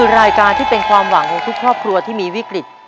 รายการที่เป็นความหวังของทุกครอบครัวที่มีวิกฤต